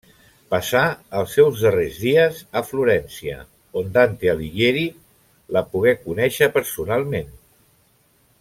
Passà els seus darrers dies a Florència, on Dante Alighieri la pogué conéixer personalment.